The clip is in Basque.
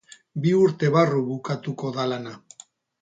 Bi urte barru bukatuko da lana.